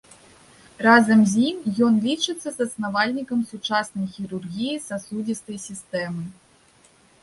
Разам з і ён лічыцца заснавальнікам сучаснай хірургіі сасудзістай сістэмы.